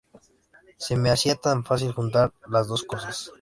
Se me hacía tan fácil juntar las dos cosas.